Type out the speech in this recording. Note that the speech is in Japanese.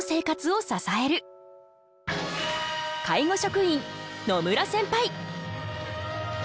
介護職員野村センパイ。